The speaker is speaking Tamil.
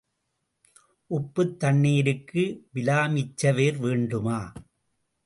உப்புத் தண்ணீருக்கு விலாமிச்சவேர் வேண்டுமா?